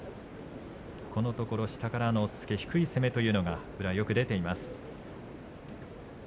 このところ下からの押っつけ低い攻めというのが宇良、よく出ています。